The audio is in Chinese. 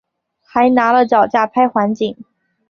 还拿了脚架拍环景